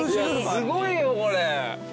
すごいよこれ。